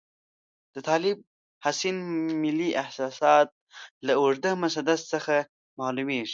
د طالب حسین ملي احساسات له اوږده مسدس څخه معلوميږي.